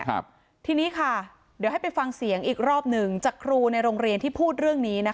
ทีนี้ค่ะเดี๋ยวให้ไปฟังเสียงอีกรอบหนึ่งจากครูในโรงเรียนที่พูดเรื่องนี้นะคะ